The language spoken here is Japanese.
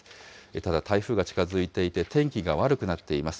ただ、台風が近づいていて、天気が悪くなっています。